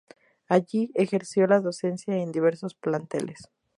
Allí ejerció la docencia en diversos planteles.